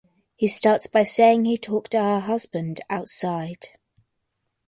He starts by saying he talked to her husband outside.